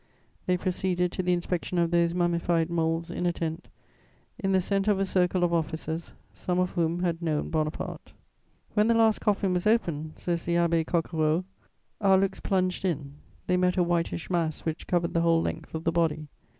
They proceeded to the inspection of those mummified moulds in a tent, in the centre of a circle of officers, some of whom had known Bonaparte. "When the last coffin was opened," says the Abbé Coquereau, "our looks plunged in. They met a whitish mass which covered the whole length of the body.